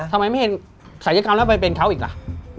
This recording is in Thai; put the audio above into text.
ทำไมไม่เห็นศัยกรรมแล้วไปเป็นเขาอีกล่ะ